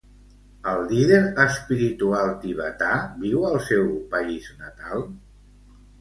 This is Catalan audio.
El líder espiritual tibetà viu al seu país natal?